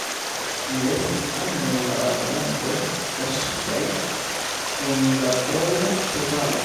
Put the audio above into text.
Li estis unu el la batalantoj kaŝitaj en la Troja ĉevalo.